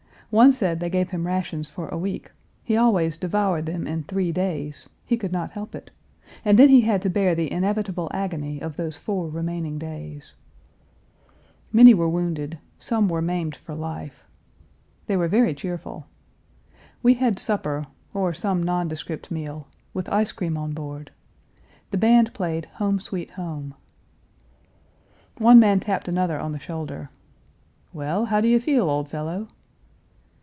One said they gave him rations for a week; he always devoured them in three days, he could not help it; and then he had to bear the inevitable agony of those four remaining days! Many were wounded, Page 305 some were maimed for life. They were very cheerful. We had supper or some nondescript meal with ice cream on board. The band played Home, Sweet Home. One man tapped another on the shoulder: "Well, how do you feel, old fellow?"